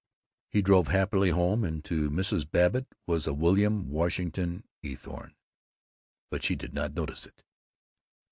He drove happily home, and to Mrs. Babbitt he was a William Washington Eathorne, but she did not notice it.